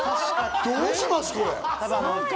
どうします、これ。